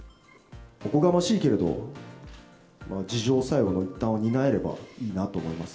おこがましいけれど、自浄作用の一端を担えればいいなと思います。